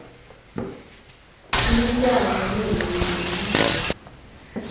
Kimi kaa mami olekependi